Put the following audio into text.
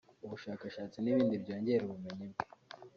ubushakashatsi n’ibindi byongera ubumenyi bwe